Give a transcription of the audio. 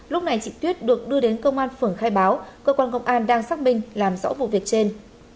lúc này chị tuyết được đưa đến công an phường khai báo cơ quan công an đang xác minh làm rõ vụ việc trên